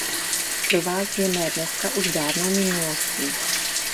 Pro vás je mé dneska už dávnou minulostí.